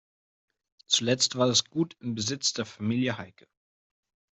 Zuletzt war das Gut im Besitz der Familie Heike.